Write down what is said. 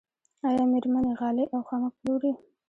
آیا میرمنې غالۍ او خامک پلوري؟